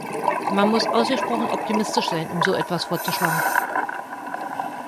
Man muss ausgesprochen optimistisch sein, um so etwas vorzuschlagen.